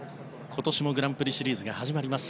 今年もグランプリシリーズが始まります。